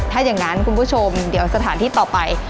ถ้าอย่างนั้นคุณผู้ชมเดี๋ยวสถานที่ต่อไป